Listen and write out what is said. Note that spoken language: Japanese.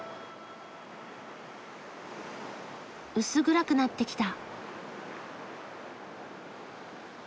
薄暗くなってきた。